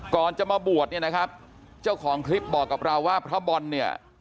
ก่อนจะมาบวชเนี่ยนะครับเจ้าของคลิปบอกกับเราว่าพระบอลเนี่ย